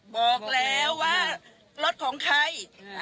บอกแล้วว่ารถของใคร